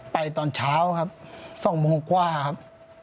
ตอนเช้าครับ๒โมงกว่าครับ